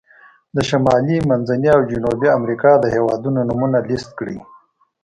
د شمالي، منځني او جنوبي امریکا د هېوادونو نومونه لیست کړئ.